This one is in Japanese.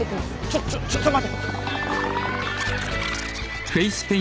ちょちょっちょっ待て。